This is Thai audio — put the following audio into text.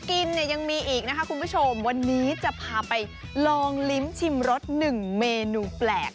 คุณผู้ชมวันนี้จะพาไปลองลิ้มชิมรสหนึ่งเมนูแปลก